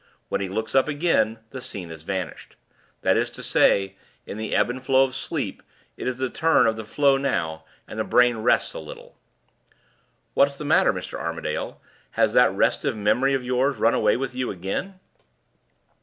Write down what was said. When he looks up again, the scene has vanished. That is to say, in the ebb and flow of sleep, it is the turn of the flow now, and the brain rests a little. What's the matter, Mr. Armadale? Has that restive memory of yours run away with you again?"